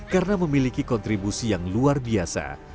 karena memiliki kontribusi yang luar biasa